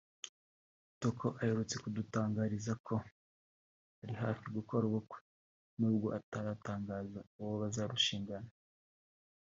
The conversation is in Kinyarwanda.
Kitoko uherutse kudutangariza ko ari hafi gukora ubukwe n’ubwo ataratangaza uwo bazarushingana